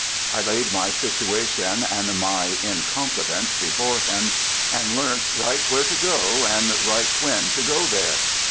I laid my situation and my incompetence before him, and learnt right where to go and right when to go there.